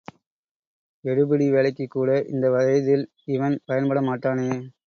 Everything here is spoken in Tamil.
எடுபிடி வேலைக்குக்கூட இந்த வயதில் இவன் பயன்பட மாட்டானே?